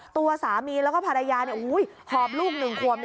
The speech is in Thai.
ตัวสามีแล้วก็ภรรยาหอบลูก๑ขวบ